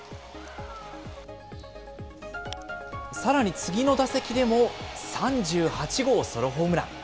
さらに次の打席でも３８号ソロホームラン。